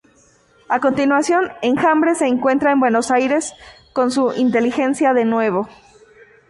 A continuación, Enjambre se encuentra en Buenos Aires con su inteligencia de nuevo.